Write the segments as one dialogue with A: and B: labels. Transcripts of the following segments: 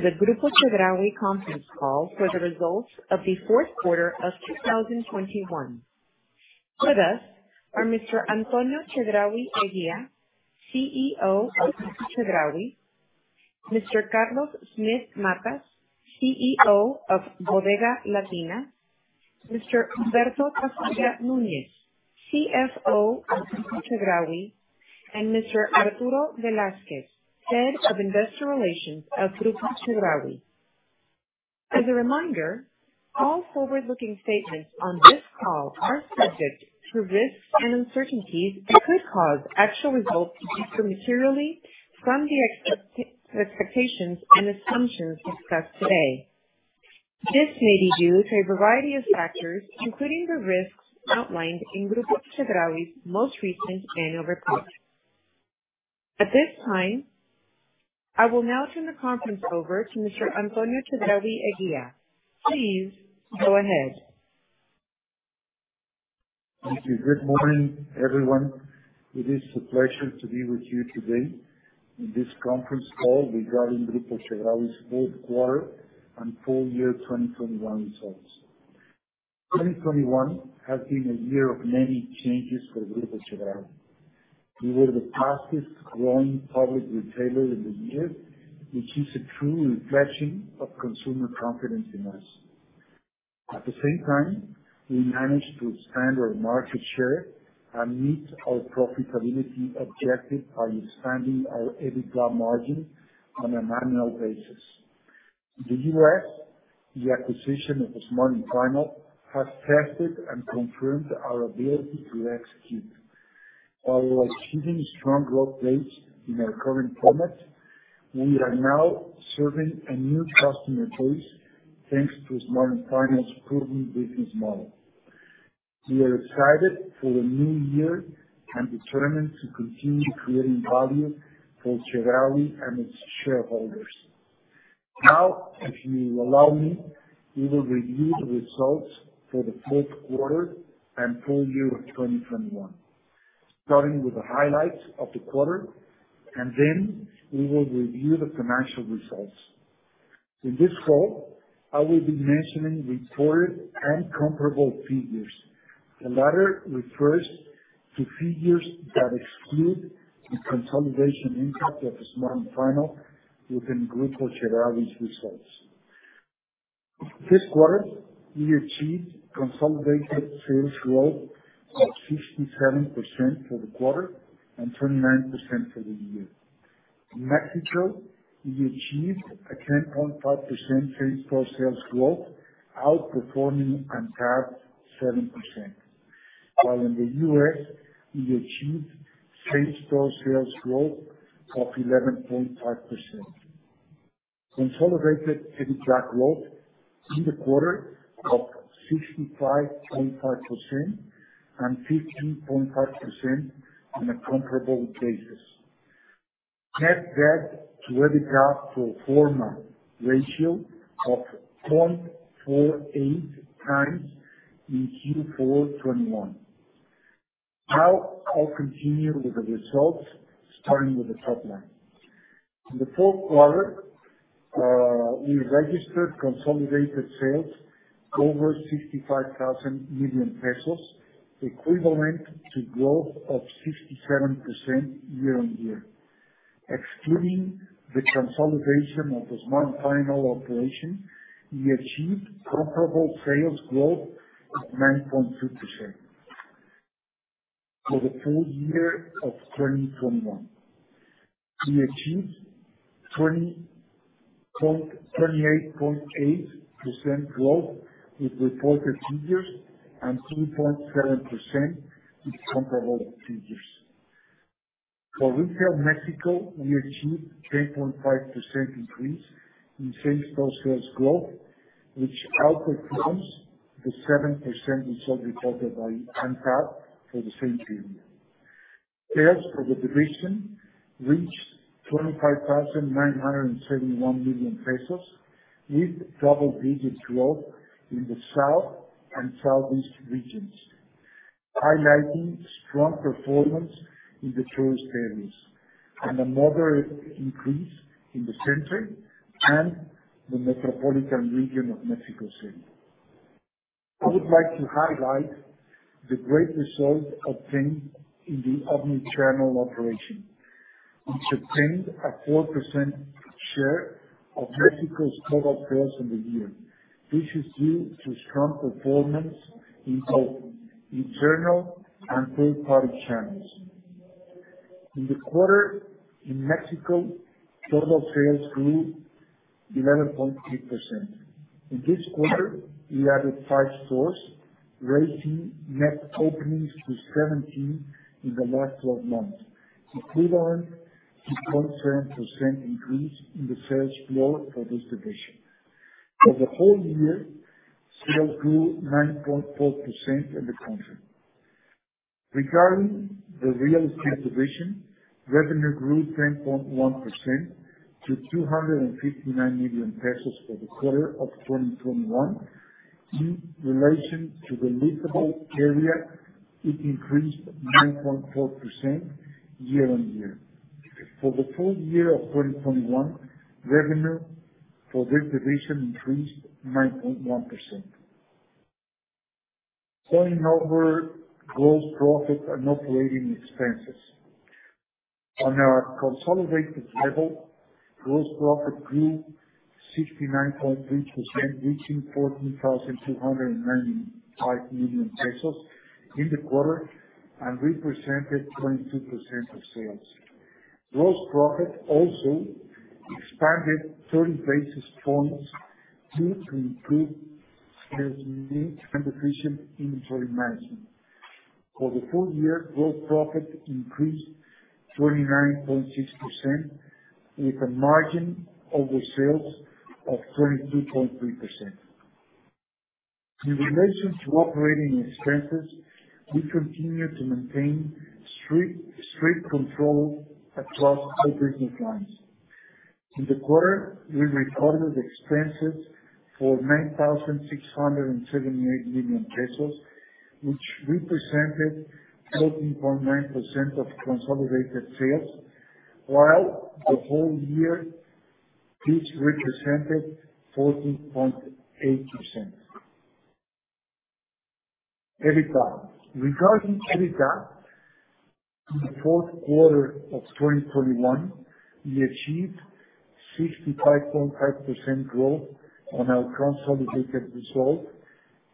A: Welcome to the Grupo Chedraui conference call for the results of the fourth quarter of 2021. With us are Mr. Antonio Chedraui Eguía, CEO of Grupo Chedraui, Mr. Carlos Smith Matas, CEO of Bodega Latina, Mr. Humberto Tafolla Núñez, CFO of Grupo Chedraui, and Mr. Arturo Velázquez, Head of Investor Relations at Grupo Chedraui. As a reminder, all forward-looking statements on this call are subject to risks and uncertainties that could cause actual results to differ materially from the expectations and assumptions discussed today. This may be due to a variety of factors, including the risks outlined in Grupo Chedraui's most recent annual report. At this time, I will now turn the conference over to Mr. Antonio Chedraui Eguía. Please go ahead.
B: Thank you. Good morning, everyone. It is a pleasure to be with you today in this conference call regarding Grupo Chedraui's fourth quarter and full year 2021 results. 2021 has been a year of many changes for Grupo Chedraui. We were the fastest growing public retailer in the year, which is a true reflection of consumer confidence in us. At the same time, we managed to expand our market share and meet our profitability objective by expanding our EBITDA margin on an annual basis. The U.S., the acquisition of Smart & Final has tested and confirmed our ability to execute. While achieving strong growth rates in our current formats, we are now serving a new customer base thanks to Smart & Final's proven business model. We are excited for the new year and determined to continue creating value for Chedraui and its shareholders. Now, if you will allow me, we will review the results for the fourth quarter and full year 2021, starting with the highlights of the quarter, and then we will review the financial results. In this call, I will be mentioning reported and comparable figures. The latter refers to figures that exclude the consolidation impact of the Smart & Final within Grupo Chedraui's results. This quarter, we achieved consolidated sales growth of 57% for the quarter and 29% for the year. In Mexico, we achieved a 10.5% same-store sales growth, outperforming ANTAD 7%, while in the U.S. we achieved same-store sales growth of 11.5%. Consolidated EBITDA growth in the quarter of 65.5% and 15.5% on a comparable basis. Net debt to EBITDA pro forma ratio of 0.48x in Q4 2021. Now I'll continue with the results, starting with the top line. In the fourth quarter, we registered consolidated sales over 65,000 million pesos, equivalent to growth of 67% year-on-year. Excluding the consolidation of the Smart & Final operation, we achieved comparable sales growth of 9.2%. For the full year of 2021, we achieved 28.8% growth in reported figures and 3.7% in comparable figures. For Retail Mexico, we achieved 10.5% increase in same-store sales growth, which outperforms the 7% result recorded by ANTAD for the same period. Sales for the division reached 25,971 million pesos, with double-digit growth in the South and Southeast regions, highlighting strong performance in the tourist areas and a moderate increase in the center and the metropolitan region of Mexico City. I would like to highlight the great results obtained in the omnichannel operation, which obtained a 4% share of Mexico's total sales in the year. This is due to strong performance in both internal and third-party channels. In the quarter, in Mexico, total sales grew 11.3%. In this quarter, we added five stores, raising net openings to 17 in the last 12 months, equivalent to 0.7% increase in the sales floor for this division. For the whole year, sales grew 9.4% in the country. Regarding the real estate division, revenue grew 10.1% to 259 million pesos for the quarter of 2021. In relation to the leasable area, it increased 9.4% year-over-year. For the full year of 2021, revenue for this division increased 9.1%. Turning over gross profit and operating expenses. On a consolidated level, gross profit grew 69.3%, reaching 14,295 million pesos in the quarter and represented 22% of sales. Gross profit also expanded 30 basis points due to improved sales mix and efficient inventory management. For the full year, gross profit increased 29.6% with a margin over sales of 22.3%. In relation to operating expenses, we continue to maintain strict control across all business lines. In the quarter, we recorded expenses for 9,678 million pesos, which represented 13.9% of consolidated sales, while the whole year, this represented 14.8%. EBITDA, regarding EBITDA, in the fourth quarter of 2021, we achieved 65.5% growth on our consolidated results,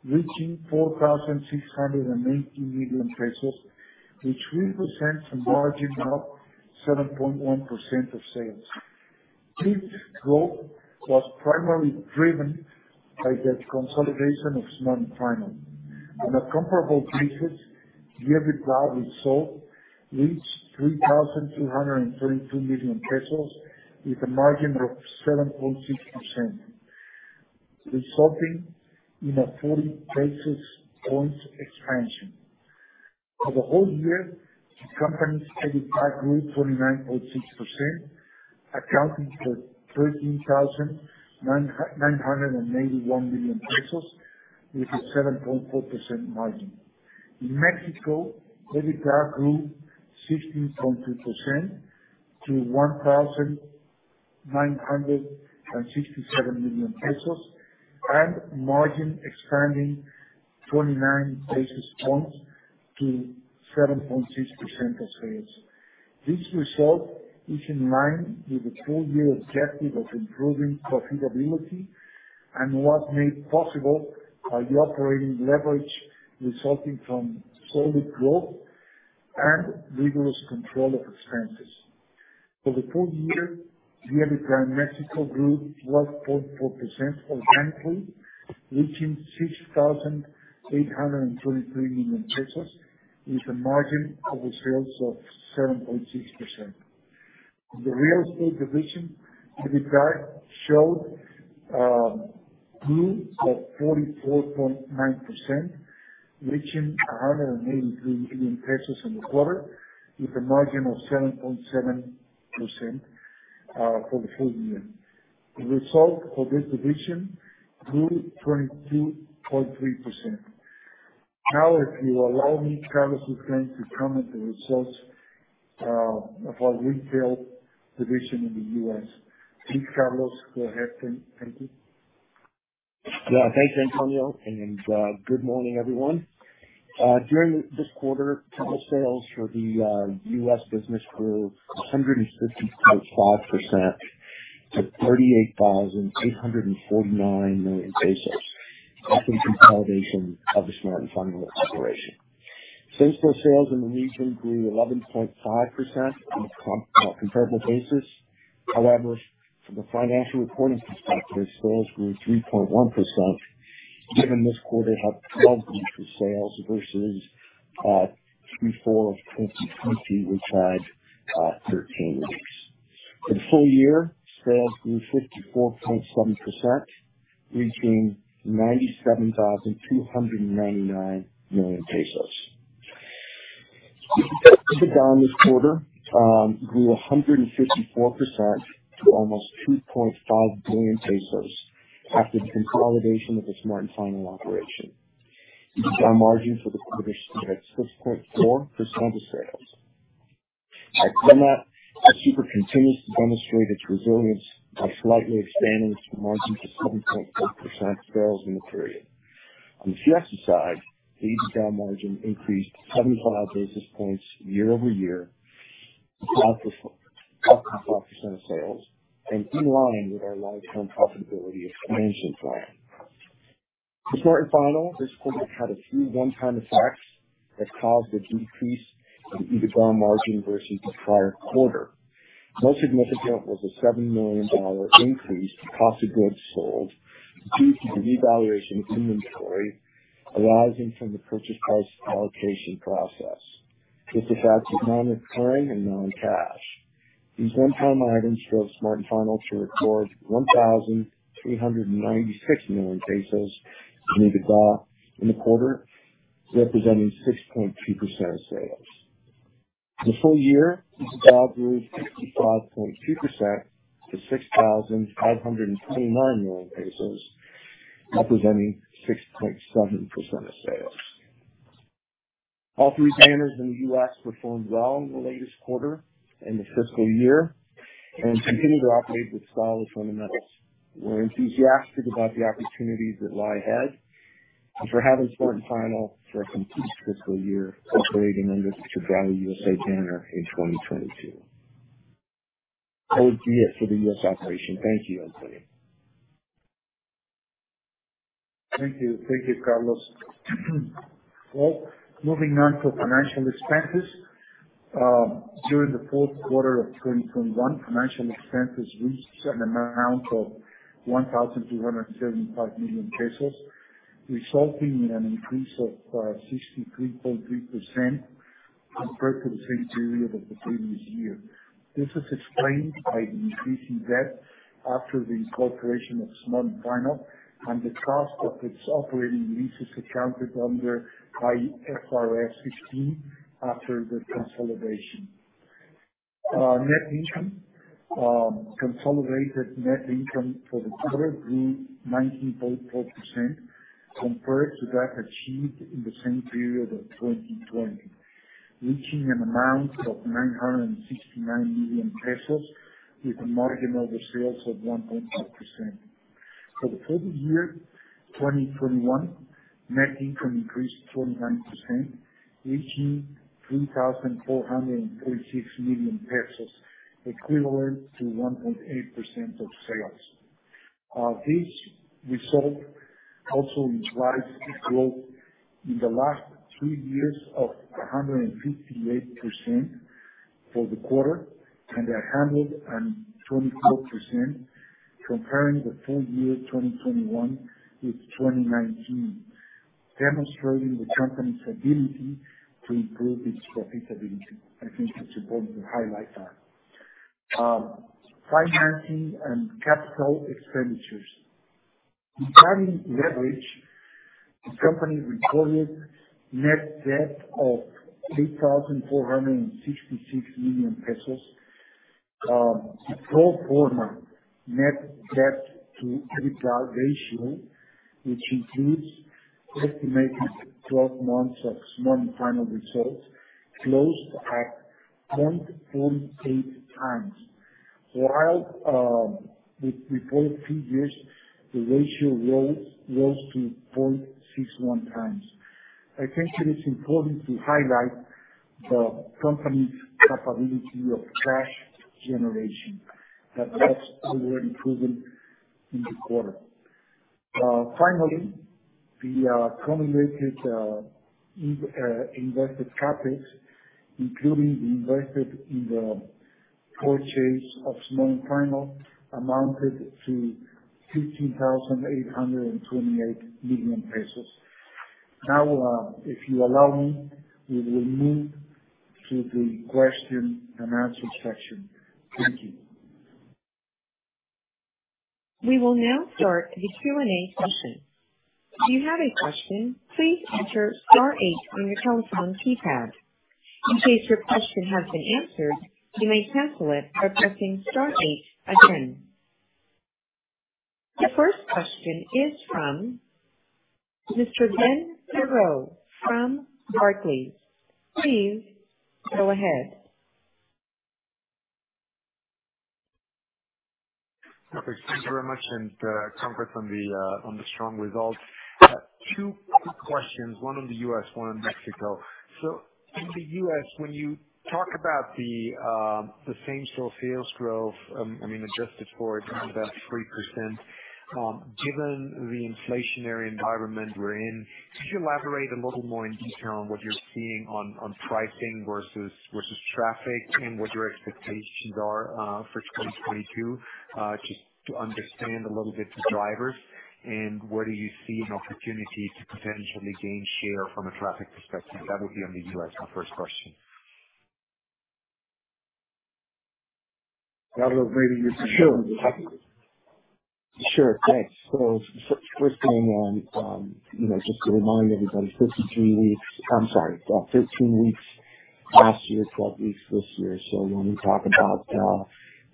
B: reaching 4,680 million pesos, which represents a margin of 7.1% of sales. This growth was primarily driven by the consolidation of Smart & Final. On a comparable basis, the EBITDA result reached MXN 3,232 million with a margin of 7.6%, resulting in a 40 basis points expansion. For the whole year, the company's EBITDA grew 29.6%, accounting for 13,981 million pesos with a 7.4% margin. In Mexico, EBITDA grew 16.2% to 1,967 million pesos and margin expanding 29 basis points to 7.6% of sales. This result is in line with the full year objective of improving profitability and was made possible by the operating leverage resulting from solid growth and rigorous control of expenses. For the full year, the EBITDA in Mexico grew 12.4% organically, reaching 6,823 million pesos, with a margin over sales of 7.6%. In the real estate division, EBITDA showed growth of 44.9%, reaching 183 million pesos in the quarter, with a margin of 7.7% for the full year. The result for this division grew 22.3%. Now if you allow me, Carlos is going to comment the results of our retail division in the U.S. Please, Carlos, go ahead. Thank you.
C: Yeah. Thanks, Antonio, and good morning, everyone. During this quarter, total sales for the U.S. business grew 150.5% to MXN 38,849 million after consolidation of the Smart & Final operation. Same store sales in the region grew 11.5% on a comparable basis. However, from a financial reporting perspective, sales grew 3.1%, given this quarter had 12 weeks of sales versus 3Q 2020, which had 13 weeks. For the full year, sales grew 54.7%, reaching MXN 97,299 million. EBITDA this quarter grew 154% to almost 2.5 billion pesos after consolidation of the Smart & Final operation. EBITDA margin for the quarter stood at 6.4% of sales. El Super continues to demonstrate its resilience by slightly expanding its margin to 7.4% of sales in the period. On the Fiesta side, the EBITDA margin increased 75 basis points year-over-year to 5%, 5% of sales and in line with our long-term profitability expansion plan. For Smart & Final, this quarter had a few one-time effects that caused a decrease in EBITDA margin versus the prior quarter. Most significant was a $7 million increase to cost of goods sold due to the revaluation of inventory arising from the purchase price allocation process. This effect is non-recurring and non-cash. These one-time items drove Smart & Final to record 1,396 million pesos in EBITDA in the quarter, representing 6.2% of sales. The full year, this increased 65.2% to MXN 6,529 million, representing 6.7% of sales. All three banners in the U.S. performed well in the latest quarter, in the fiscal year, and continue to operate with solid fundamentals. We're enthusiastic about the opportunities that lie ahead and for having Smart & Final for a complete fiscal year operating under the value of U.S. banner in 2022. Over to you for the U.S. operation. Thank you, Antonio.
B: Thank you. Thank you, Carlos. Well, moving on to financial expenses. During the fourth quarter of 2021, financial expenses reached an amount of 1,275 million pesos, resulting in an increase of 63.3% compared to the same period of the previous year. This is explained by the increasing debt after the incorporation of Smart & Final and the cost of its operating leases accounted under IFRS 16 after the consolidation. Net income, consolidated net income for the quarter grew 19.4% compared to that achieved in the same period of 2020, reaching an amount of 969 million pesos with a margin over sales of 1.5%. For the full year 2021, net income increased 21%, reaching 3,436 million pesos, equivalent to 1.8% of sales. This result also means annual growth in the last three years of 158% for the quarter, and 124% comparing the full year 2021 with 2019, demonstrating the company's ability to improve its profitability. I think it's important to highlight that. Financing and capital expenditures. Regarding leverage, the company recorded net debt of 3,466 million pesos. Pro forma net debt to EBITDA ratio, which includes estimated 12 months of Smart & Final results, closed at 0.48x. While the reported figures, the ratio rose to 0.61x. I think it is important to highlight the company's capability of cash generation. That cash were improving in the quarter. Finally, the cumulated invested CapEx, including invested in the purchase of Smart & Final, amounted to 15,828 million pesos. Now, if you allow me, we will move to the question-and-answer session. Thank you.
A: We will now start the Q&A session. If you have a question, please enter star eight on your telephone keypad. In case your question has been answered, you may cancel it by pressing star eight again. The first question is from Mr. Benjamin Theurer from Barclays. Please go ahead.
D: Perfect. Thank you very much, and congrats on the strong results. Two quick questions, one on the U.S., one on Mexico. In the U.S., when you talk about the same-store sales growth, I mean, adjusted for it about 3%, given the inflationary environment we're in, could you elaborate a little more in detail on what you're seeing on pricing versus traffic and what your expectations are for 2022 just to understand a little bit the drivers? Where do you see an opportunity to potentially gain share from a traffic perspective? That would be on the U.S., my first question.
B: Carlos, maybe you can share?
C: Sure. Thanks. First thing on, you know, just to remind everybody, 53 weeks. I'm sorry, 15 weeks last year, 12 weeks this year. When we talk about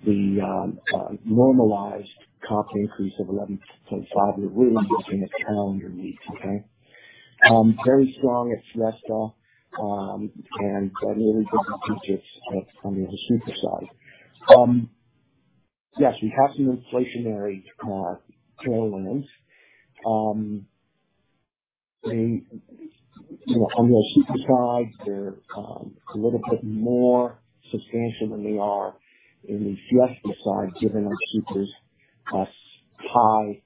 C: the normalized comp increase of 11.5%, we're really looking at calendar weeks, okay? Very strong at Fiesta, and that really doesn't teach us, I mean, the El Super side. Yes, we have some inflationary tailwinds. They, you know, on the El Super side, they're a little bit more substantial than they are in the Fiesta side, given El Super's has high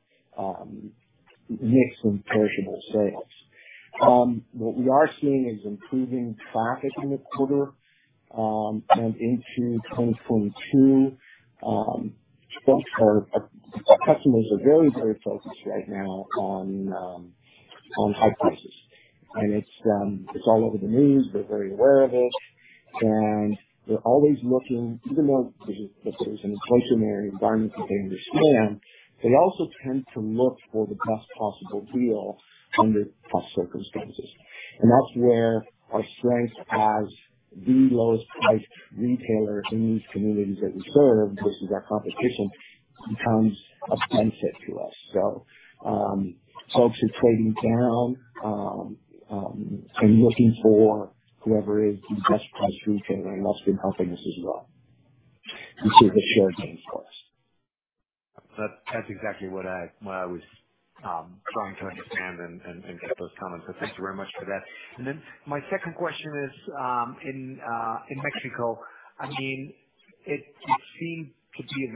C: mix in perishable sales. What we are seeing is improving traffic in the quarter, and into 2022. Our customers are very, very focused right now on high prices. It's all over the news. They're very aware of it, and they're always looking. Even though there's an inflationary environment that they understand, they also tend to look for the best possible deal under tough circumstances. That's where our strength as the lowest priced retailer in these communities that we serve versus our competition becomes offensive to us. Folks are trading down, and looking for whoever is the best priced retailer, and that's been helping us as well. This is a shared gain for us.
D: That's exactly what I was trying to understand and get those comments. Thank you very much for that. My second question is in Mexico. I mean, it seemed to be a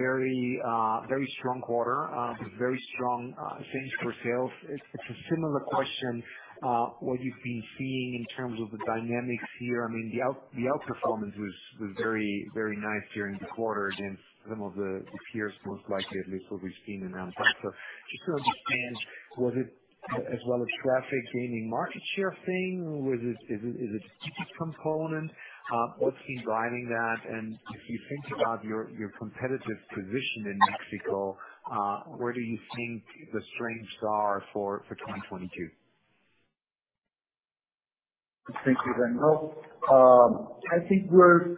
D: very strong quarter with very strong same store sales. It's a similar question, what you've been seeing in terms of the dynamics here. I mean, the outperformance was very nice here in the quarter against some of the peers, most likely, at least what we've seen in ANTAD. Just to understand, was it traffic as well as gaining market share thing? Is it a component? What's been driving that? If you think about your competitive position in Mexico, where do you think the strengths are for 2022?
B: Thank you, Ben. Well, I think we're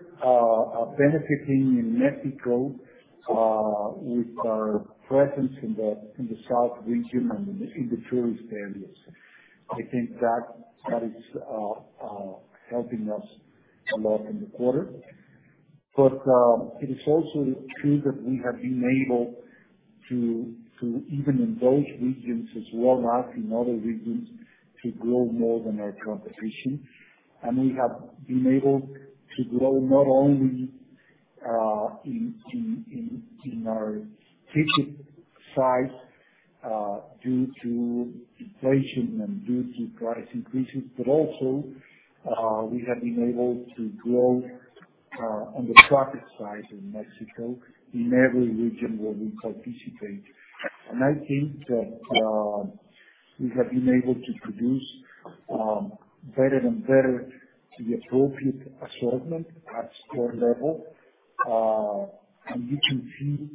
B: benefiting in Mexico with our presence in the south region and in the tourist areas. I think that is helping us a lot in the quarter. It is also true that we have been able to even in those regions as well as in other regions, to grow more than our competition. We have been able to grow not only in our ticket size due to inflation and due to price increases, but also we have been able to grow on the traffic side in Mexico in every region where we participate. I think that we have been able to produce better and better the appropriate assortment at store level. You can see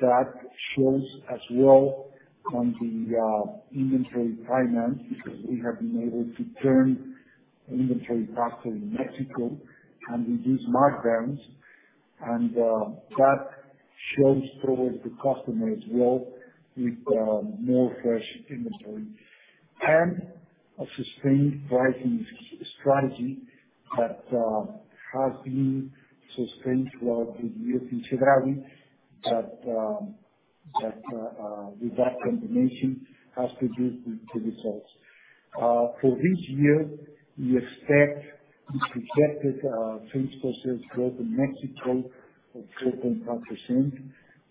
B: that shows as well on the inventory finance, because we have been able to turn inventory faster in Mexico, and reduce markdowns. That shows toward the customer as well with more fresh inventory. A sustained pricing strategy that has been sustained throughout the year in February, but that with that combination has produced good results. For this year, we expect the projected same store sales growth in Mexico of 4.5%.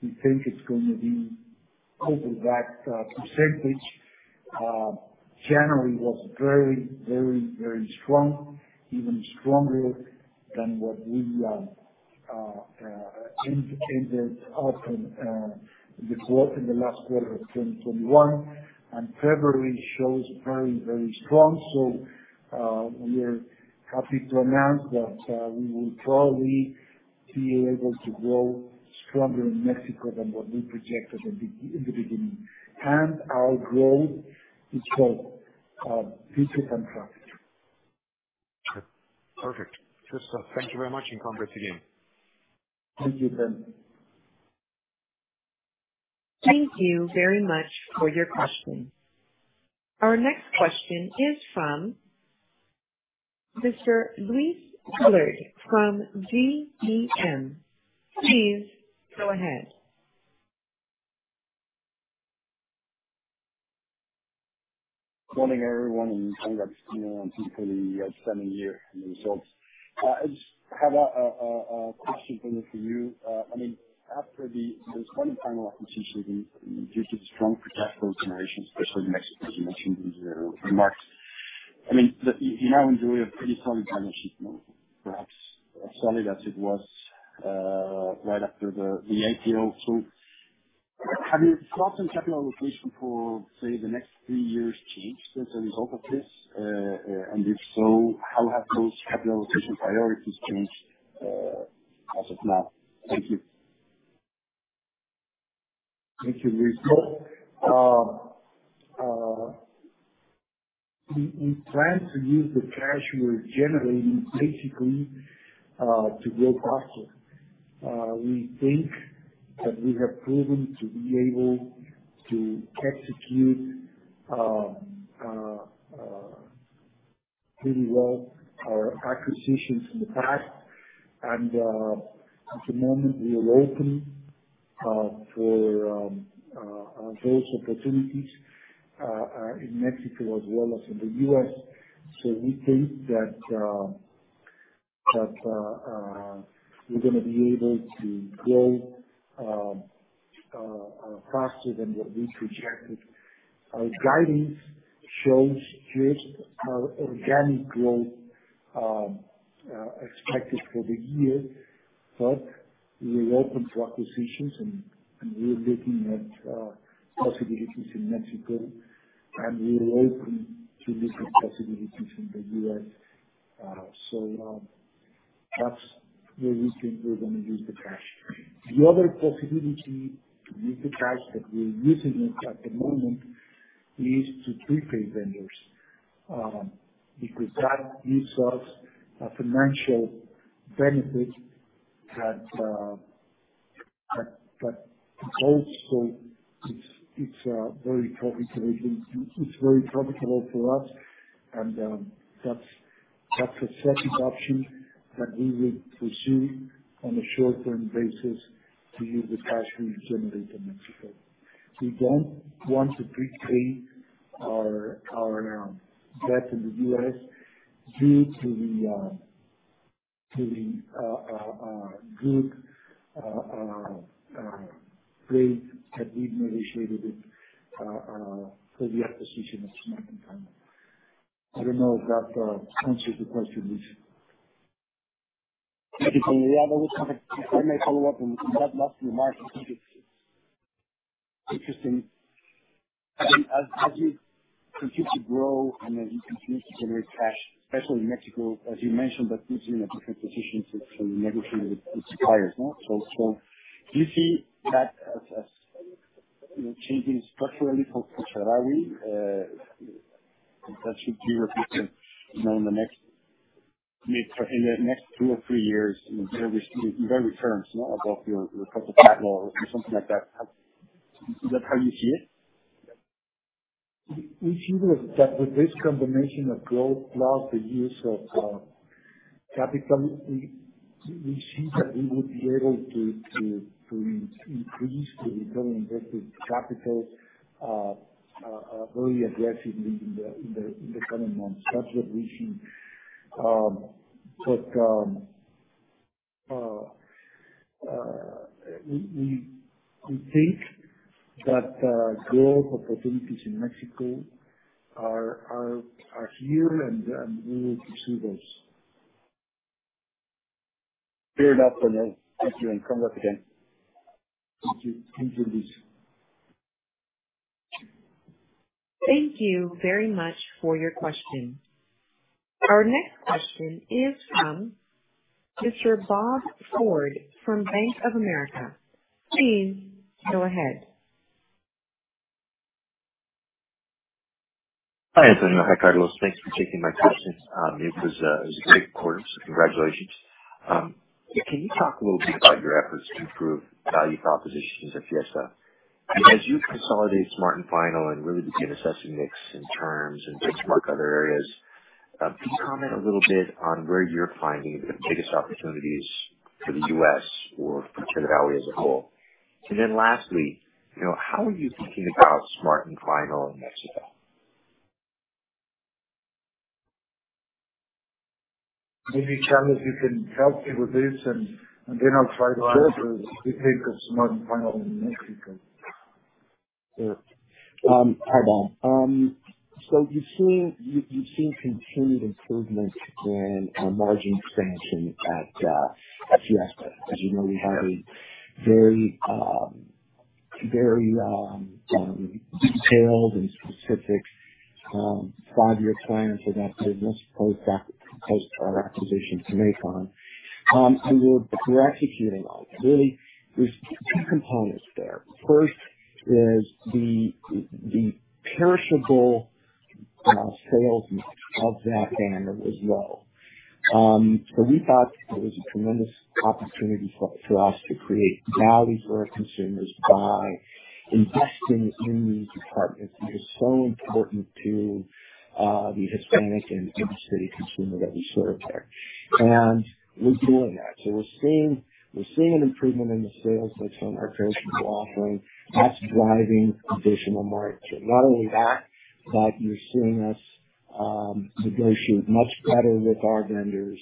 B: We think it's going to be over that percentage. January was very strong, even stronger than what we anticipated in the quarter, in the last quarter of 2021. February shows very strong. We are happy to announce that we will probably be able to grow stronger in Mexico than what we projected in the beginning. Our growth is both due to comp traffic.
D: Perfect. Just, thank you very much and congrats again.
B: Thank you, Ben.
A: Thank you very much for your question. Our next question is from Mr. Luis Willard from GBM. Please go ahead.
E: Morning, everyone, and congrats, you know, on particularly a outstanding year and results. I just have a question, Antonio, for you. I mean, after the Smart & Final acquisition, given due to the strong free cash flow generation, especially in Mexico, as you mentioned in your remarks, I mean, you now enjoy a pretty solid financial position, perhaps as solid as it was right after the IPO. Have your thoughts on capital allocation for, say, the next three years changed as a result of this? And if so, how have those capital allocation priorities changed as of now? Thank you.
B: Thank you, Luis. We plan to use the cash we're generating basically to grow faster. We think that we have proven to be able to execute pretty well our acquisitions in the past. At the moment, we are open for those opportunities in Mexico as well as in the U.S. We think that we're gonna be able to grow faster than what we projected. Our guidance shows just our organic growth expected for the year. We are open to acquisitions and we are looking at possibilities in Mexico, and we are open to looking at possibilities in the U.S. That's where we think we're gonna use the cash. The other possibility to use the cash that we're using it at the moment is to prepay vendors, because that gives us a financial benefit that also it's very profitable for us and that's the second option that we would pursue on a short-term basis to use the cash we generate in Mexico. We don't want to prepay our debt in the U.S. due to the good rate that we've negotiated with our previous position with Smart & Final. I don't know if that answers the question, Luis.
E: Thank you. On the other hand, if I may follow up on that last remark, I think it's interesting. I mean, as you continue to grow and as you continue to generate cash, especially in Mexico, as you mentioned, that puts you in a different position to renegotiate with suppliers, no? Do you see that as you know, changing structurally for Chedraui? That should be repeated, you know, in the next two or three years in very terms, you know, above your profit backlog or something like that. Is that how you see it?
B: We see that with this combination of growth plus the use of capital, we see that we would be able to increase the return on invested capital very aggressively in the coming months. That's what we see. We think that growth opportunities in Mexico are here, and we will pursue those.
E: Fair enough, Antonio. Thank you and come back again.
B: Thank you. Thank you, Luis.
A: Thank you very much for your question. Our next question is from Mr. Robert Ford from Bank of America. Please go ahead.
F: Hi, Antonio. Hi, Carlos. Thanks for taking my questions. It was a great quarter, so congratulations. Can you talk a little bit about your efforts to improve value propositions at Fiesta? As you've consolidated Smart & Final and really begin assessing mix and terms and benchmark other areas, can you comment a little bit on where you're finding the biggest opportunities for the U.S. or for Chedraui as a whole? Lastly, you know, how are you thinking about Smart & Final in Mexico?
B: Maybe, Carlos, if you can help me with this, and then I'll try to answer the takeover of Smart & Final in Mexico.
C: Sure. Hi, Bob. You're seeing continued improvement in margin expansion at Fiesta. As you know, we have a very detailed and specific five-year plan for that business post our acquisition to make on. We're executing on it. Really, there's two components there. First is the perishable sales of that banner was low. We thought it was a tremendous opportunity for us to create value for our consumers by investing in these departments which is so important to the Hispanic and inner-city consumer that we serve there. We're doing that. We're seeing an improvement in the sales mix on our perishable offering. That's driving additional margin. Not only that, but you're seeing us negotiate much better with our vendors,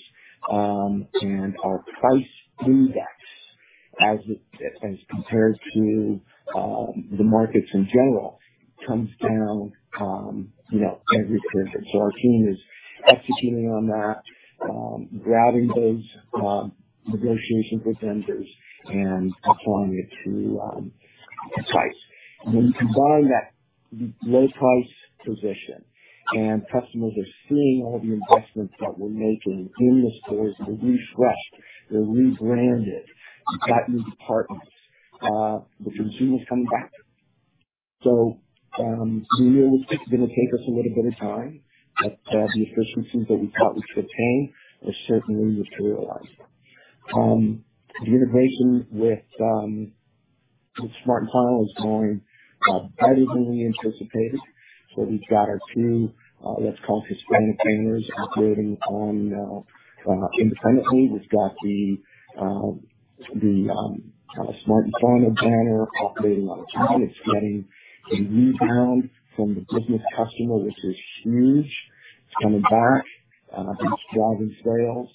C: and our price index as it, as compared to, the markets in general comes down, you know, every quarter. Our team is executing on that, grabbing those negotiation with vendors and applying it to price. When you combine that low price position and customers are seeing all the investments that we're making in the stores, they're refreshed, they're rebranded, we've got new departments, the consumer's coming back. We knew it was gonna take us a little bit of time, but the efficiencies that we thought we could obtain are certainly materialized. The integration with Smart & Final is going better than we anticipated. We've got our two, let's call it Hispanic banners operating independently. We've got the kind of Smart & Final banner operating on its own. It's getting a rebound from the business customer, which is huge. It's coming back, that's driving sales.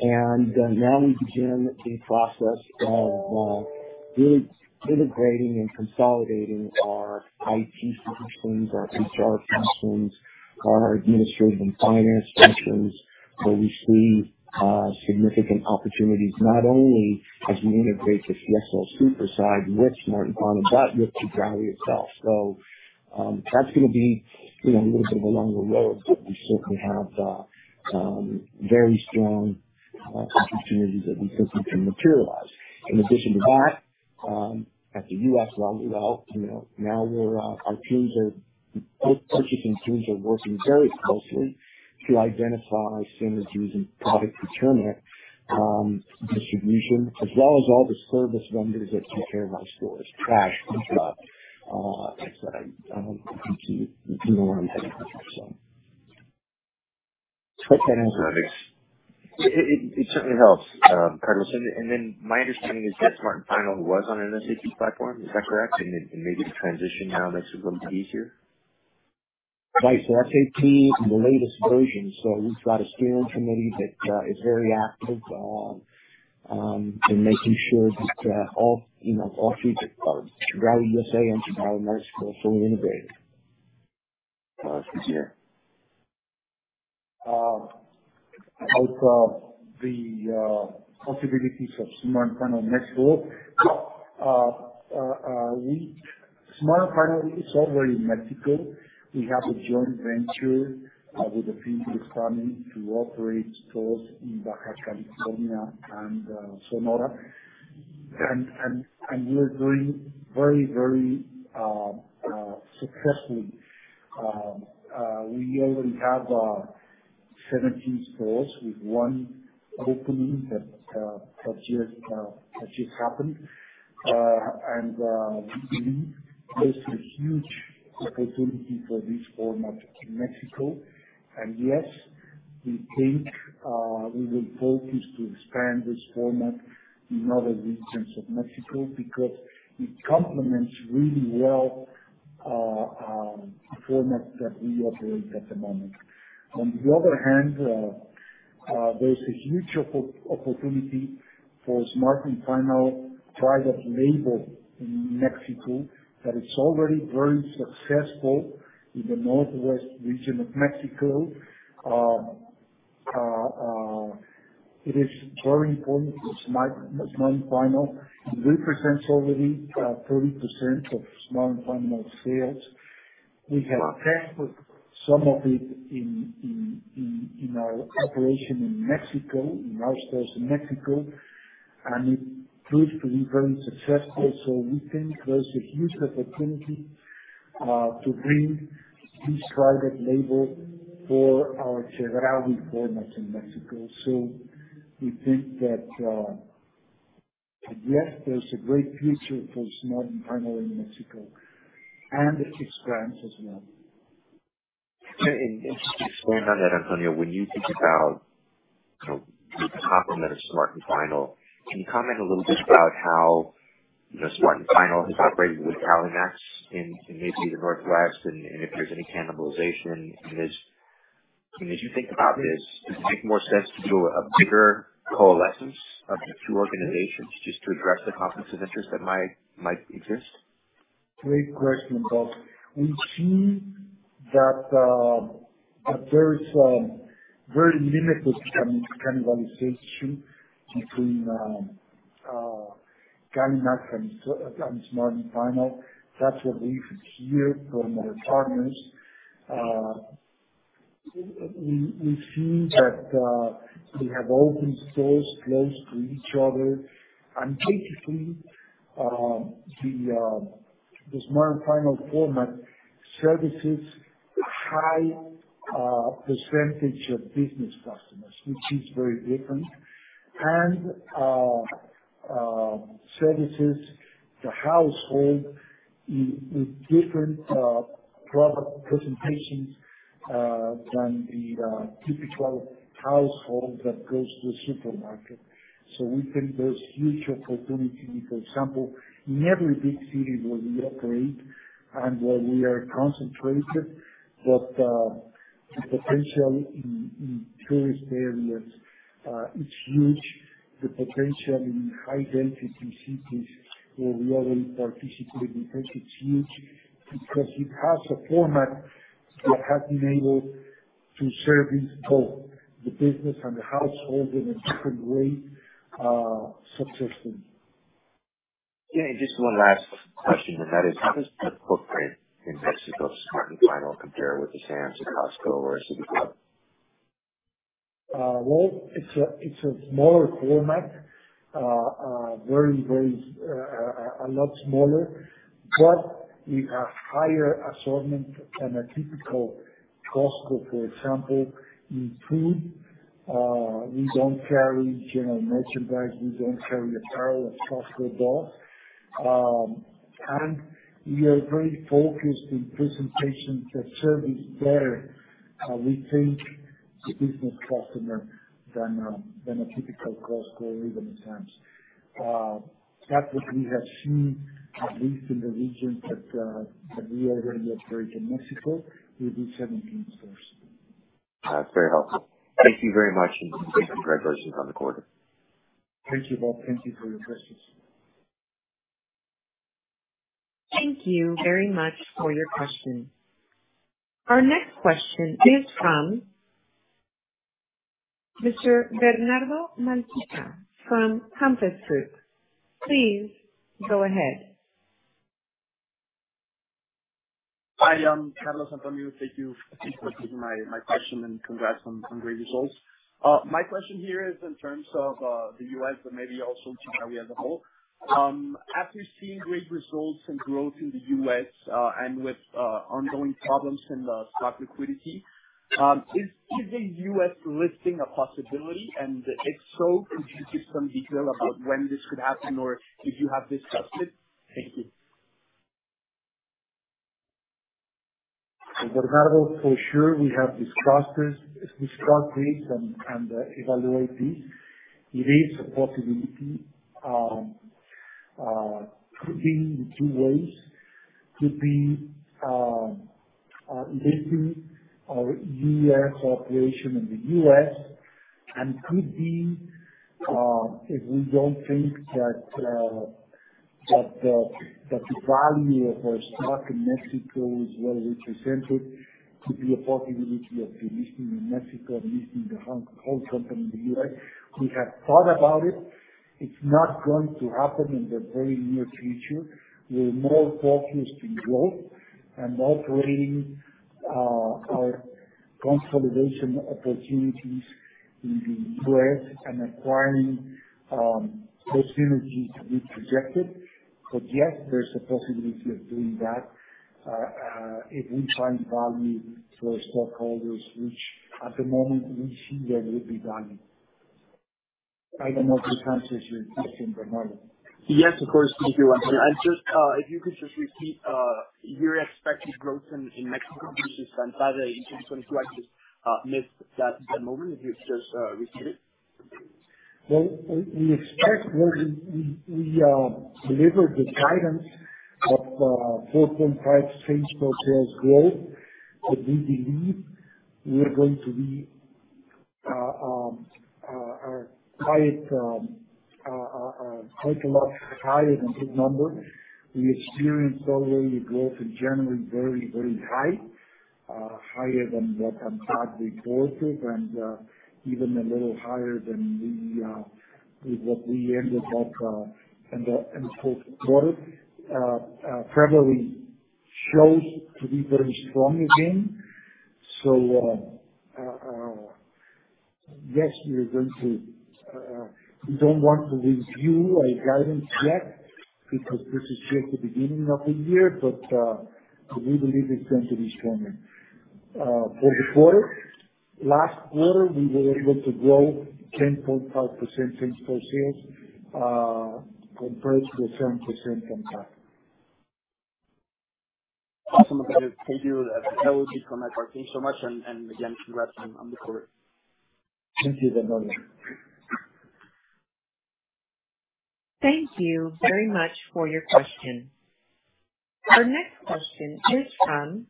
C: Now we begin the process of integrating and consolidating our IT systems, our HR functions, our administrative and finance functions, where we see significant opportunities, not only as we integrate the Fiesta and El Super side with Smart & Final, but with Chedraui itself. That's gonna be, you know, a little bit along the road, but we certainly have very strong opportunities that we think we can materialize. In addition to that, at the U.S. really well, you know, now our teams, both purchasing teams, are working very closely to identify synergies in product procurement, distribution, as well as all the service vendors that take care of our stores. Trash, cleanup, I think you know where I'm heading with this.
F: It can improve. It certainly helps. Carlos, then my understanding is that Smart & Final was on an SAP platform. Is that correct? Then maybe the transition now makes it a little bit easier.
C: Right. SAP, the latest version. We've got a steering committee that is very active in making sure that all, you know, all in Chedraui USA and in Chedraui Mexico are fully integrated.
F: This year.
B: Out of the possibilities of Smart & Final Mexico, Smart & Final is already in Mexico. We have a joint venture with Calimax to operate stores in Baja California and Sonora. We're very successful. We already have 17 stores, with one opening that just happened. We believe there's a huge opportunity for this format in Mexico. Yes, we think we will focus to expand this format in other regions of Mexico because it complements really well the format that we operate at the moment. On the other hand, there's a huge opportunity for Smart & Final private label in Mexico that is already very successful in the northwest region of Mexico. It is very important to Smart & Final. It represents already 30% of Smart & Final sales. We have tested some of it in our operation in Mexico, in our stores in Mexico, and it proves to be very successful. We think there's a huge opportunity to bring this private label for our Chedraui formats in Mexico. We think that yes, there's a great future for Smart & Final in Mexico and its brands as well.
F: Just to expand on that, Antonio, when you think about, you know, the complement of Smart & Final, can you comment a little bit about how the Smart & Final has operated with Calimax in maybe the Northwest and if there's any cannibalization? As you think about this, does it make more sense to do a bigger coalescence of the two organizations just to address the conflicts of interest that might exist?
B: Great question, Bob. We've seen that there's very limited cannibalization between Calimax and Smart & Final. That's what we hear from the partners. They have opened stores close to each other. Typically, the Smart & Final format services a high percentage of business customers, which is very different, and services the household with different product presentations than the typical household that goes to a supermarket. We think there's huge opportunity, for example, in every big city where we operate and where we are concentrated. The potential in tourist areas it's huge. The potential in high-density cities where we already participate because it's huge, because it has a format that has been able to service both the business and the household in a different way, successfully.
F: Yeah, just one last question, and that is, how does the footprint in Mexico, Smart & Final compare with a Sam's, a Costco or a City Club?
B: Well, it's a smaller format, a lot smaller. We have higher assortment than a typical Costco, for example, in food. We don't carry general merchandise. We don't carry apparel as Costco does. We are very focused in presentation to service better, we think the business customer than a typical Costco or even a Sam's. That's what we have seen at least in the regions that we already operate in Mexico with the 17 stores.
F: Very helpful. Thank you very much and congratulations on the quarter.
B: Thank you, Bob. Thank you for your questions.
A: Thank you very much for your question. Our next question is from Mr. Bernardo Malpica from Compass Group. Please go ahead.
G: Hi, Carlos, Antonio. Thank you for taking my question and congrats on great results. My question here is in terms of the U.S. but maybe also to Chedraui as a whole. After seeing great results and growth in the U.S., and with ongoing problems in the stock liquidity, is the U.S. listing a possibility? If so, could you give some detail about when this could happen or if you have discussed it? Thank you.
B: Bernardo, for sure we have discussed this and evaluate this. It is a possibility. Could be in two ways. Could be listing our U.S. operation in the U.S. and could be if we don't think that the value of our stock in Mexico is well represented, could be a possibility of delisting in Mexico and listing the whole company in the U.S. We have thought about it. It's not going to happen in the very near future. We're more focused in growth and operating our consolidation opportunities in the U.S. and acquiring those synergies to be projected. Yes, there's a possibility of doing that if we find value for stockholders, which at the moment we see there will be value. I don't know if this answers your question, Bernardo.
G: Yes, of course. Thank you. Just, if you could just repeat your expected growth in Mexico versus the U.S. in 2022. I just missed that moment. If you could just repeat it.
B: Well, we expect when we delivered the guidance of 4.5% same store sales growth, but we believe we are going to be quite a lot higher than this number. We experienced already growth in January very, very high, higher than what ANTAD reported and even a little higher than what we ended up in the fourth quarter. Yes, we don't want to review our guidance yet because this is just the beginning of the year, but we believe it's going to be stronger. Last quarter, we were able to grow 10.5% same store sales compared to 10%.
G: Awesome. Thank you. That was it on my part. Thank you so much and again, congrats on the quarter.
B: Thank you, Bernardo.
A: Thank you very much for your question. Our next question is from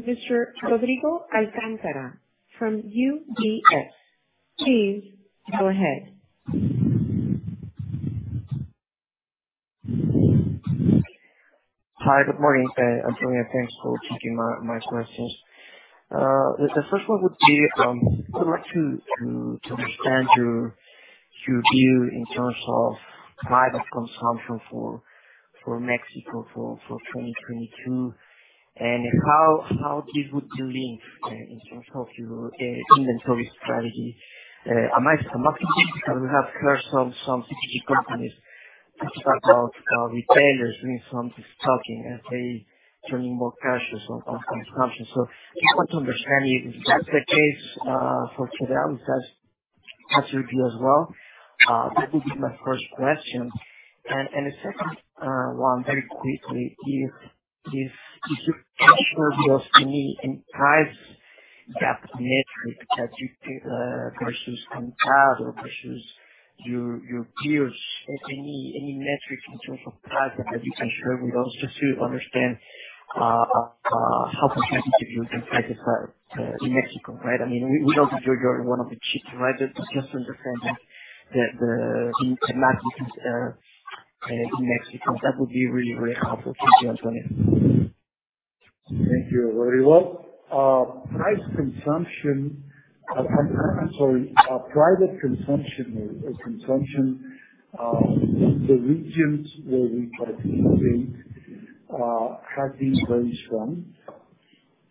A: Mr. Rodrigo Alcántara from UBS. Please go ahead.
H: Hi, good morning. Antonio, thanks for taking my questions. The first one would be, I'd like to understand your view in terms of private consumption for Mexico for 2022. How this would link in terms of your inventory strategy. I might have some questions, because we have heard some CPG companies talk about retailers doing some stocking as they turn in more cash on consumption. Just want to understand if that's the case for Chedraui as your view as well. That would be my first question. The second one very quickly is it possible for me in price gap metric that you versus compared or versus your peers. Any metric in terms of price that you can share with us just to understand how competitive you can price in Mexico, right? I mean, we know that you're one of the cheaper, right? Just to understand the dynamics in Mexico. That would be really, really helpful. Thank you, Antonio.
B: Thank you, Rodrigo. Private consumption or consumption in the regions where we participate have been very strong.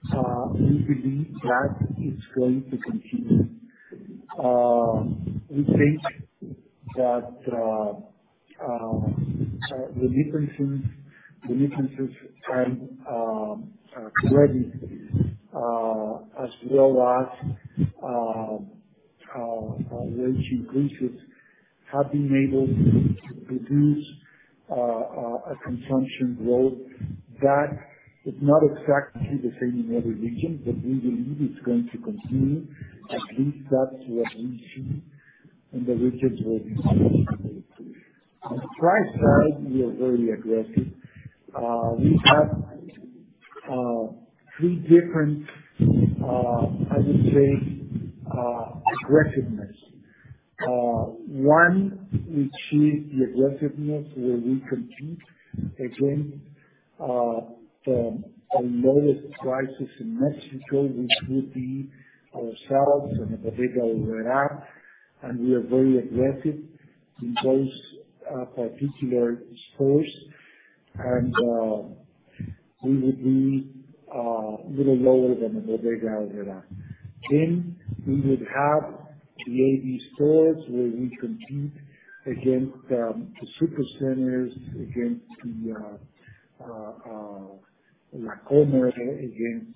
B: We believe that is going to continue. We think that the differences and credit, as well as wage increases have been able to produce a consumption growth that is not exactly the same in other regions, but we believe it's going to continue. At least that's what we've seen in the regions where we participate. On price side, we are very aggressive. We have three different, I would say, aggressiveness. One which is the aggressiveness where we compete against the lowest prices in Mexico, which would be ourselves and. [unintelligible] We are very aggressive in those particular stores and we would be a little lower than the Bodega Aurrerá. We would have the AB stores where we compete against the super centers, against La Comer, against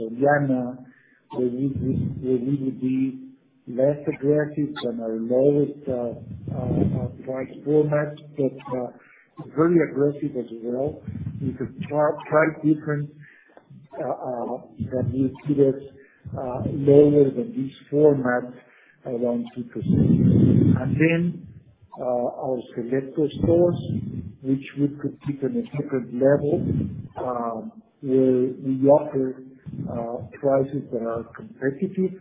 B: Soriana, where we would be less aggressive than our lowest price format, but very aggressive as well. We could try different, [inaudible] lower than this format around 2%. Our Selecto stores, which would compete on a different level, where we offer prices that are competitive,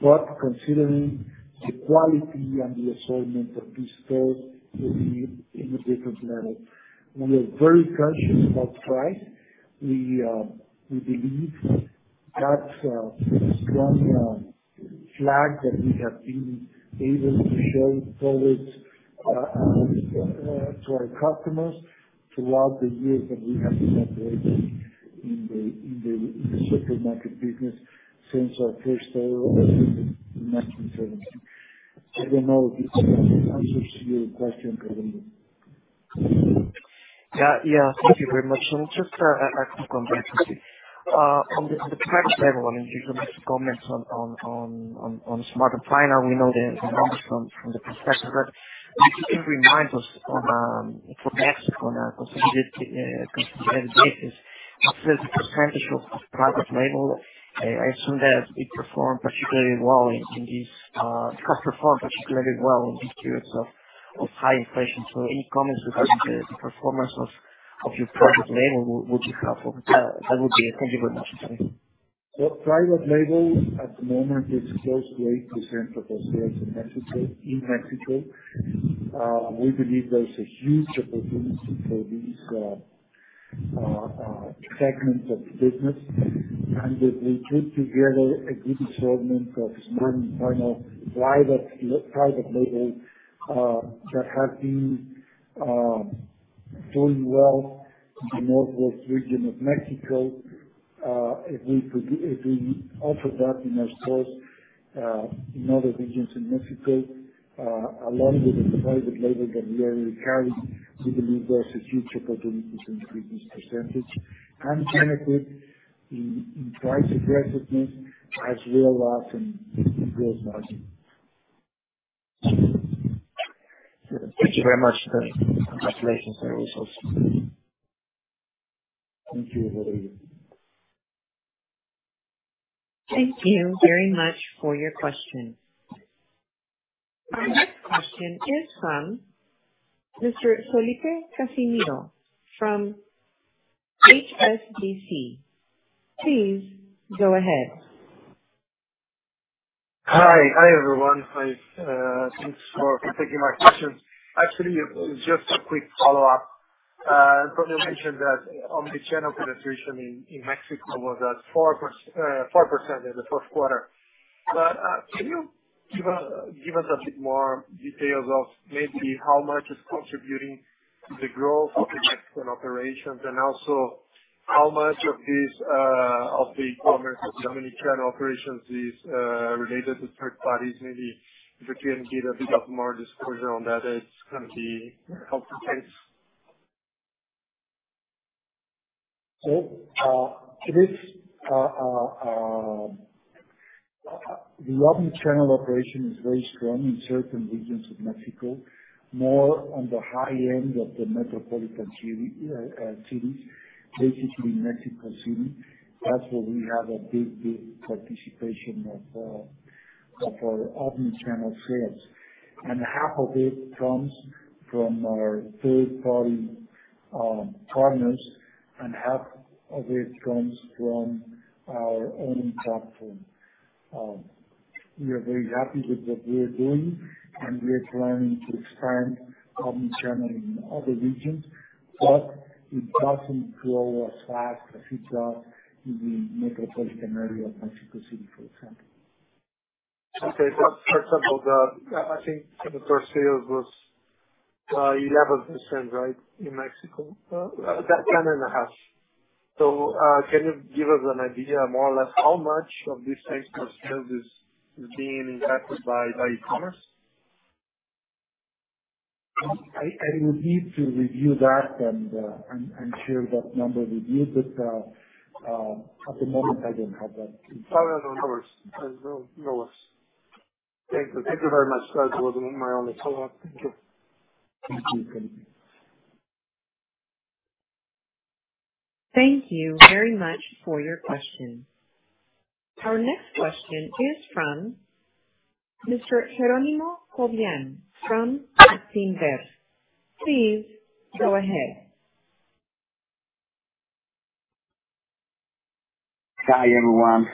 B: but considering the quality and the assortment of these stores will be in a different level. We are very conscious about price. We believe that's a strong flag that we have been able to show to our customers throughout the years that we have been operating in the supermarket business since our first store opened in 1972. Let me know if this answers to your question, Rodrigo.
H: Thank you very much. Just a quick one. On the private label, and you've made some comments on Smart & Final. We know the numbers from the perspective, but if you can remind us, for Mexico now, considering basis, what is the percentage of private label? I assume that it performed particularly well in these periods of high inflation. Any comments about the performance of your private label would you have? That would be it. Thank you very much.
B: Private label at the moment is close to 8% of our sales in Mexico. We believe there's a huge opportunity for this segment of the business. If we put together a good assortment of Smart & Final private label that has been doing well in the Northwest region of Mexico, if we offer that in our stores in other regions in Mexico, along with the private label that we already carry, we believe there's a huge opportunity to increase this percentage and benefit in price aggressiveness as well as in gross margin.
H: Thank you very much. Congratulations on the results.
B: Thank you, Rodrigo.
A: Thank you very much for your question. Our next question is from Mr. [inaudible] from HSBC. Please go ahead.
I: Hi. Hi, everyone. My thanks for taking my question. Actually, just a quick follow-up. Antonio mentioned that the channel penetration in Mexico was at 4% in the first quarter. Can you give us a bit more details of maybe how much is contributing to the growth of the Mexican operations? Also how much of this of the e-commerce, how many channel operations is related to third parties? Maybe if you can give a bit more disclosure on that, it's gonna be helpful. Thanks.
B: The omni-channel operation is very strong in certain regions of Mexico. More on the high end of the metropolitan cities, basically Mexico City. That's where we have a big participation of our omni-channel sales. Half of it comes from our third-party partners, and half of it comes from our own platform. We are very happy with what we are doing, and we are planning to expand omni-channel in other regions, but it doesn't grow as fast as it does in the metropolitan area of Mexico City, for example.
I: For example, I think the same store sales was 11%, right, in Mexico? That 10.5%. Can you give us an idea more or less how much of this extra sales is being impacted by e-commerce?
B: I would need to review that and share that number with you. At the moment, I don't have that information.
I: Oh, yeah. No worries. Thank you. Thank you very much. That was my only follow-up. Thank you.
B: Thank you.
A: Thank you very much for your question. Our next question is from Mr. Jerónimo Cobián from Actinver. Please go ahead.
J: Hi, everyone.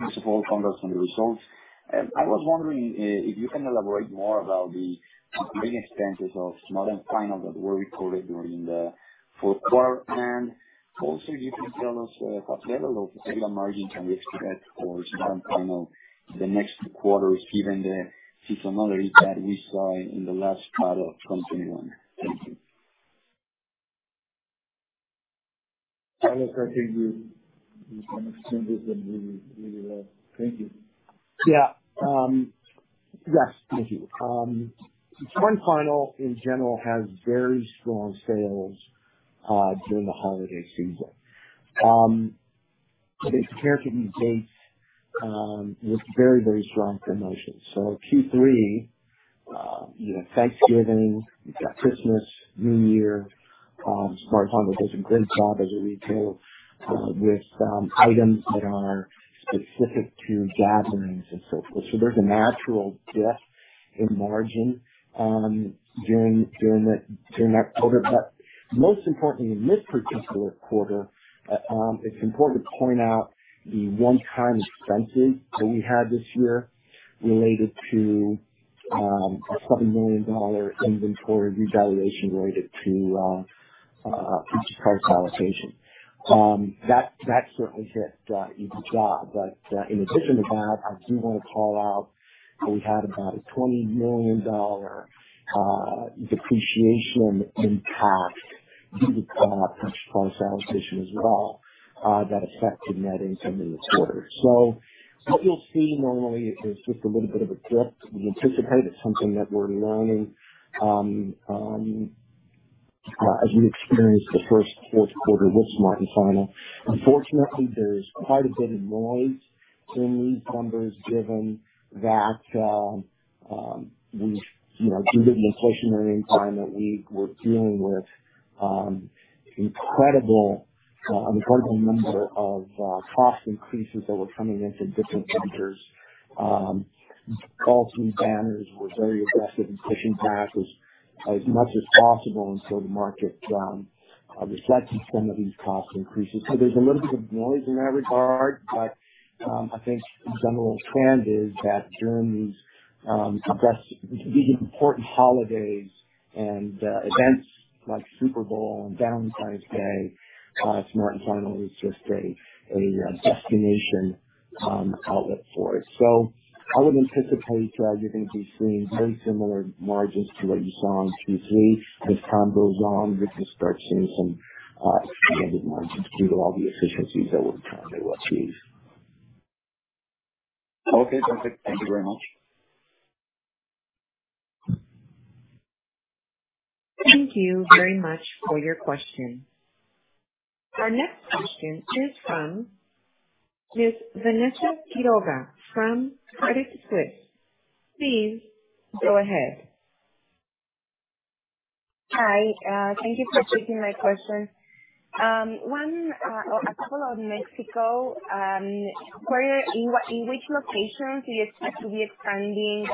J: First of all, congrats on the results. I was wondering if you can elaborate more about the main expenses of Smart & Final that were recorded during the fourth quarter. Also if you can tell us what level of sales margin can we expect for Smart & Final the next quarters, given the seasonality that we saw in the last part of 2021. Thank you.
B: I will start, and you can extend it if you need to. Thank you.
C: Yeah. Yes. Thank you. Smart & Final in general has very strong sales during the holiday season. It's characterized with very, very strong promotions. Q3, you know, Thanksgiving, you've got Christmas, New Year, Smart & Final does a good job as a retailer with items that are specific to gatherings and so forth. There's a natural dip in margin during that quarter. Most importantly, in this particular quarter, it's important to point out the one-time expenses that we had this year related to a $7 million inventory revaluation related to purchase price allocation. That certainly hit EBITDA. In addition to that, I do wanna call out that we had about a $20 million depreciation in cash due to that purchase price allocation as well that affected net income in the quarter. What you'll see normally is just a little bit of a dip. We anticipate it's something that we're learning as we experience the first fourth quarter with Smart & Final. Unfortunately, there's quite a bit of noise in these numbers given that we've you know due to the inflationary environment we were dealing with incredible number of cost increases that were coming into different vendors. All three banners were very aggressive in pushing back as much as possible until the market reflected some of these cost increases. There's a little bit of noise in that regard. I think the general trend is that during these important holidays and events like Super Bowl and Valentine's Day, Smart & Final is just a destination outlet for it. I would anticipate you're gonna be seeing very similar margins to what you saw in Q3. As time goes on, we just start seeing some expanded margins due to all the efficiencies that we're trying to achieve.
J: Okay, perfect. Thank you very much.
A: Thank you very much for your question. Our next question is from Miss Vanessa Quiroga from Credit Suisse. Please go ahead.
K: Hi, thank you for taking my question. A couple on Mexico. In which locations do you expect to be expanding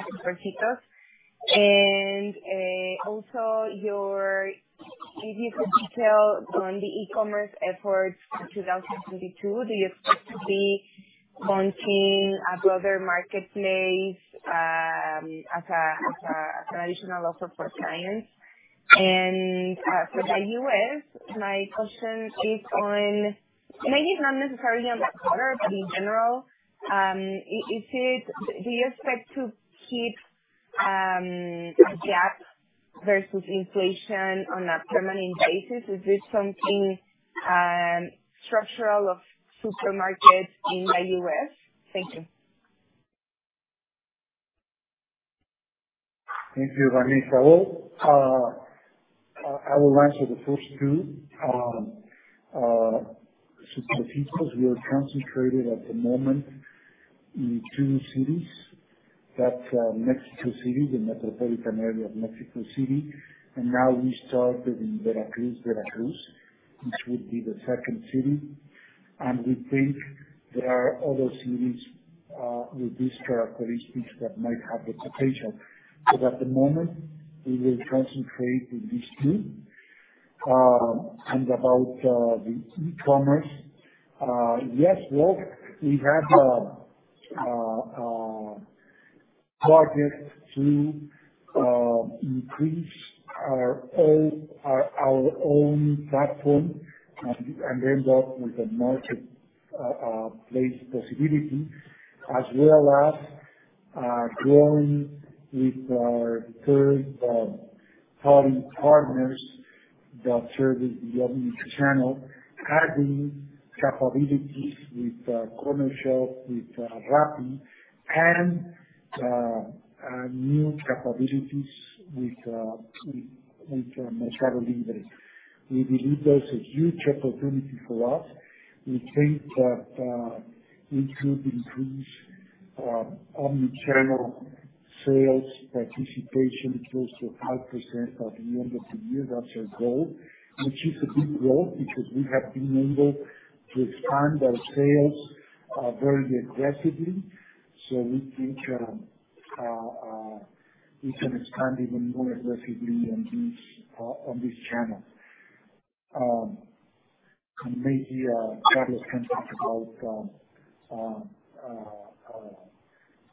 K: Supercito? Also, if you could detail on the e-commerce efforts for 2022, do you expect to be launching a broader marketplace as an additional offer for clients? For the U.S., my question is on, maybe it's not necessarily on the quarter, but in general, is it, do you expect to keep a gap versus inflation on a permanent basis? Is this something structural of supermarkets in the U.S.? Thank you.
B: Thank you, Vanessa. I will answer the first two. Supercito, we are concentrated at the moment in two cities. That's Mexico City, the metropolitan area of Mexico City. Now we started in Veracruz, which would be the second city. We think there are other cities with these characteristics that might have the potential. At the moment we will concentrate on these two. About the e-commerce, yes, well, we have projects to increase our own platform and end up with a marketplace possibility. As well as growing with our third-party partners that service the omni-channel, adding capabilities with Cornershop, with Rappi, and new capabilities with Mercado Libre. We believe there's a huge opportunity for us. We think that we could increase omni-channel sales participation close to 5% by the end of the year. That's our goal, which is a big growth because we have been able to expand our sales very aggressively. We think we can expand even more aggressively on this channel. Maybe Carlos can talk about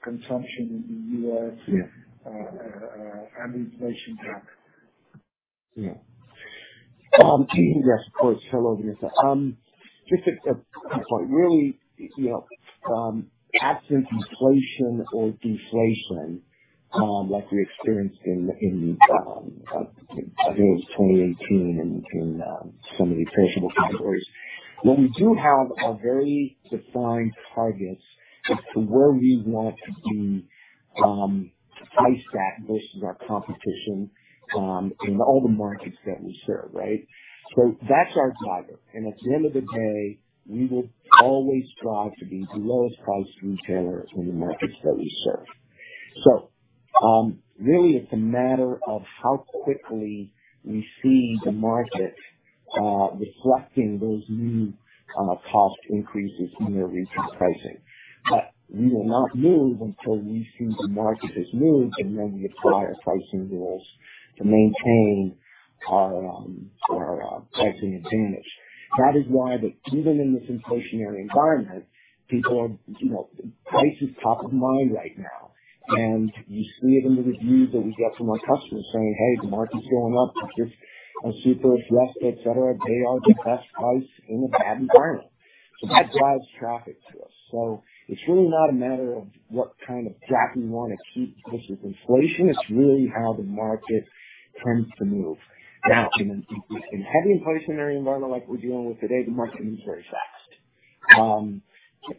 B: consumption in the U.S.- Yeah. And inflation impact.
C: Yes, of course. Hello, Vanessa. Just to your point, really, you know, absent inflation or deflation, like we experienced in 2018 and in some of the perishable categories. We do have a very defined target as to where we want to be price-match versus our competition in all the markets that we serve, right? So that's our driver. At the end of the day, we will always strive to be the lowest priced retailer in the markets that we serve. Really, it's a matter of how quickly we see the market reflecting those new cost increases in their retail pricing. But we will not move until we see the market has moved, and then we apply our pricing rules to maintain our pricing advantage.
B: That is why even in this inflationary environment, people are. You know, price is top of mind right now, and you see it in the reviews that we get from our customers saying, "Hey, the market's going up, but here's a Super/et cetera. They are the best price in a bad environment." That drives traffic to us. It's really not a matter of what kind of gap we wanna keep versus inflation. It's really how the market tends to move. Now, in a heavy inflationary environment like we're dealing with today, the market moves very fast.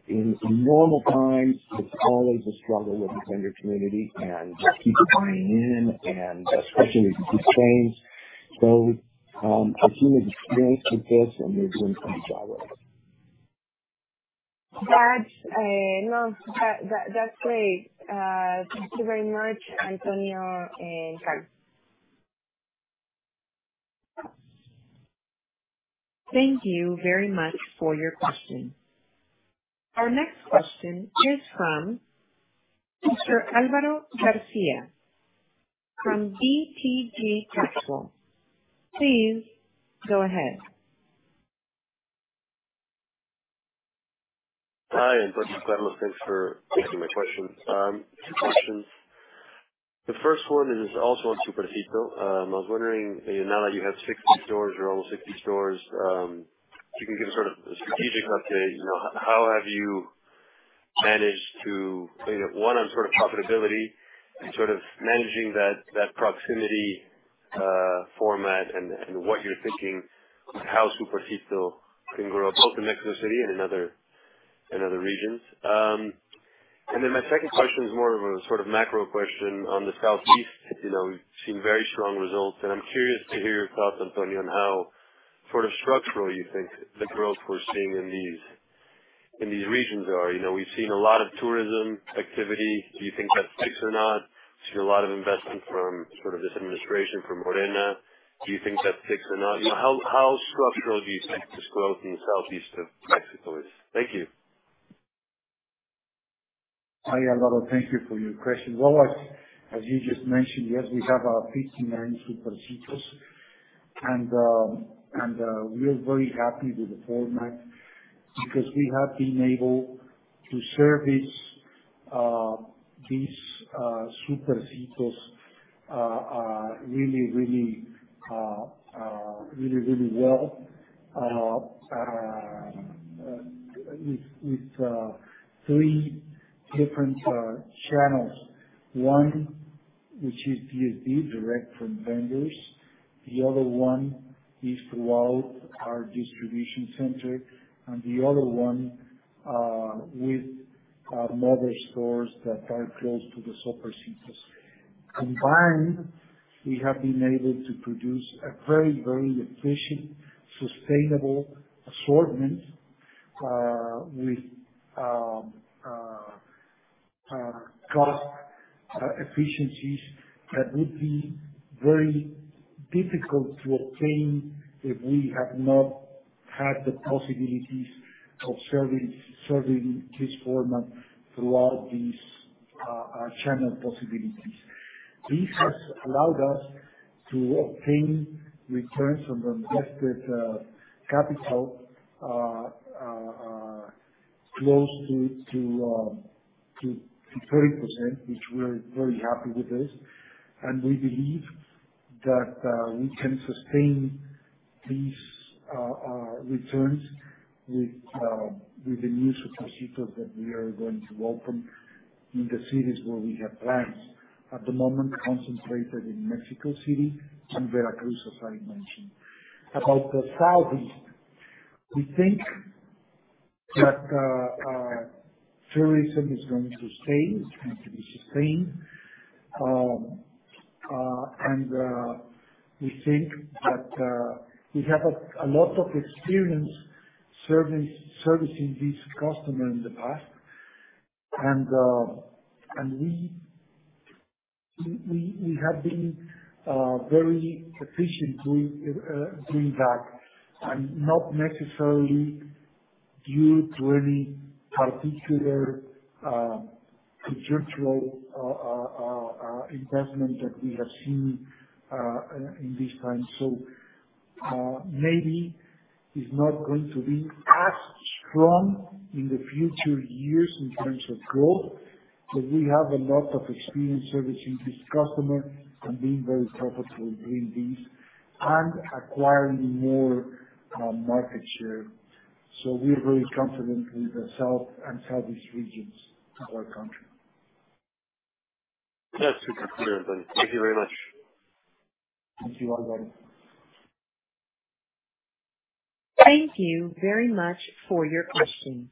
B: In normal times, it's always a struggle with the vendor community and to keep it coming in and especially with these chains. Our team is experienced with this, and they're doing a great job with it.
K: That's great. Thank you very much, Antonio and Carlos.
A: Thank you very much for your question. Our next question is from Mr. Alvaro Garcia from BTG Pactual. Please go ahead.
L: Hi, good afternoon. Thanks for taking my questions. Two questions. The first one is also on Supercito. I was wondering, you know, now that you have 60 stores or almost 60 stores, if you can give sort of a strategic update. You know, how have you managed to, you know, one, on sort of profitability and sort of managing that proximity format and what you're thinking, how Supercito can grow both in Mexico City and in other regions. My second question is more of a sort of macro question on the Southeast. You know, we've seen very strong results, and I'm curious to hear your thoughts, Antonio, on how sort of structural you think the growth we're seeing in these regions are. You know, we've seen a lot of tourism activity. Do you think that sticks or not? I see a lot of investment from sort of this administration from Morena. Do you think that sticks or not? You know, how structural do you think this growth in the southeast of Mexico is? Thank you.
B: Hi, Alvaro. Thank you for your question. Well, as you just mentioned, yes, we have our 59 Supercitos, and we are very happy with the format because we have been able to service these Supercitos really well with three different channels. One, which is DFV, direct from vendors. The other one is throughout our distribution center, and the other one with mother stores that are close to the Supercitos. Combined, we have been able to produce a very efficient, sustainable assortment with cost efficiencies that would be very difficult to obtain if we have not had the possibilities of serving this format throughout these channel possibilities. This has allowed us to obtain returns on invested capital close to 30%, which we're very happy with this. We believe that we can sustain these returns with the new Supercitos that we are going to open in the cities where we have plans at the moment concentrated in Mexico City and Veracruz, as I mentioned. About the southeast, we think that tourism is going to stay. It's going to be sustained. We think that we have a lot of experience servicing this customer in the past. We have been very efficient with doing that and not necessarily due to any particular conjunctural investment that we have seen in this time. Maybe it's not going to be as strong in the future years in terms of growth, but we have a lot of experience servicing this customer and being very profitable doing this and acquiring more market share. We are very confident with the South and Southeast regions of our country.
L: That's super clear. Thank you very much.
B: Thank you, Alvaro.
A: Thank you very much for your question.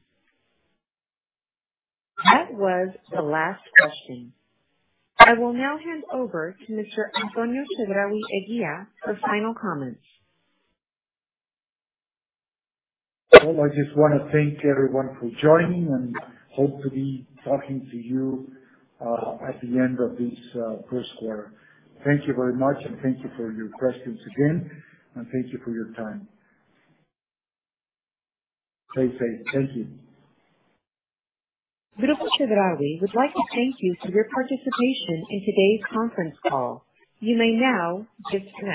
A: That was the last question. I will now hand over to Mr. Antonio Chedraui Eguía for final comments.
B: Well, I just wanna thank everyone for joining and hope to be talking to you at the end of this first quarter. Thank you very much, and thank you for your questions again, and thank you for your time. Stay safe. Thank you.
A: Grupo Chedraui would like to thank you for your participation in today's conference call. You may now disconnect.